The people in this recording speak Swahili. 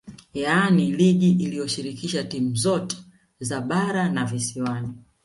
Yaani ligi iliyoshirikisha timu zote za bara na visiwani